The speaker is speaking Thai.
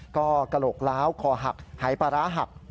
ก็กระโหลกล้าวคอหักหายปลาร้าหัก